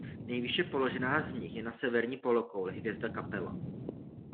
Nejvýše položená z nich je na severní polokouli hvězda Capella.